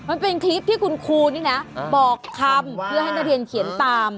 มันเป็นคลิปที่คุณครูนี่นะบอกคำเพื่อให้นักเรียนเขียนตาม